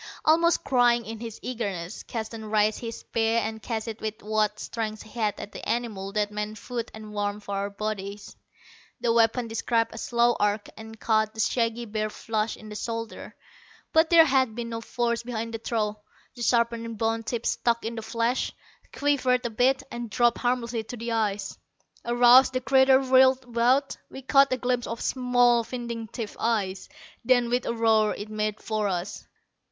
Almost crying in his eagerness, Keston raised his spear and cast it with what strength he had at the animal that meant food and warmth for our bodies. The weapon described a slow arc, and caught the shaggy bear flush in the shoulder. But there had been no force behind the throw. The sharpened bone tip stuck in the flesh, quivered a bit, and dropped harmlessly to the ice. Aroused, the creature whirled about. We caught a glimpse of small, vindictive eyes. Then, with a roar, it made for us.